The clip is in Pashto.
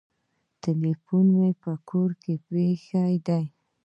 ټلیفون مي په کور کي پرېښود .